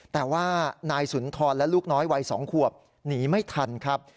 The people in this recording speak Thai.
แต่ว่านายสุนทรและลูกน้อยวัย๒ขวบหนีไม่ทันครับ